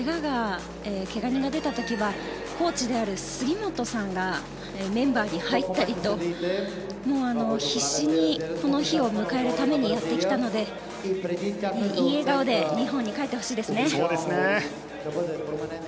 怪我人が出た時はコーチである杉本さんがメンバーに入ったりと必死にこの日を迎えるためにやってきたので、いい笑顔で日本に帰ってほしいですね。